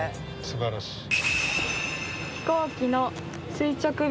すばらしい。